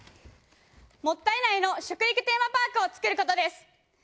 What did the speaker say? もったい苗の食育テーマパークを作ることです。